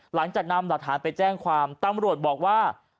หลังจากนำหลักฐานไปแจ้งความตำรวจบอกว่า